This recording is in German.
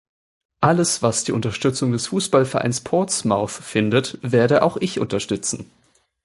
Alles, was die Unterstützung des Fußballvereins Portsmouth findet, werde auch ich unterstützen.